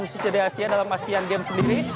yang harus jadi asean dalam asean games sendiri